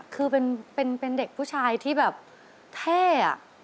คือเป็นเด็กผู้ชายที่แบบเท่